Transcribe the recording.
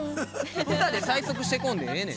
歌で催促してこんでええねん。